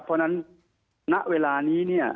เพราะฉะนั้นณเวลานี้เนี่ย